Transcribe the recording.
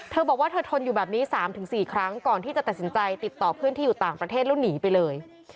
บอกว่าเธอทนอยู่แบบนี้๓๔ครั้งก่อนที่จะตัดสินใจติดต่อเพื่อนที่อยู่ต่างประเทศแล้วหนีไปเลย